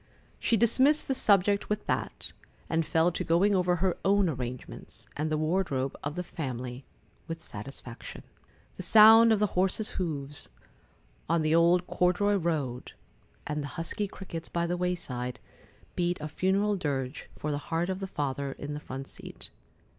She dismissed the subject with that, and fell to going over her own arrangements and the wardrobe of the family, with satisfaction. The sound of the horses' hoofs on the old corduroy road, and the husky crickets by the wayside, beat a funeral dirge for the heart of the Father in the front seat.